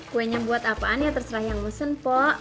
kuenya buat apaan ya terserah yang musen po